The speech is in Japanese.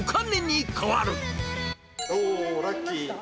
おー、ラッキー。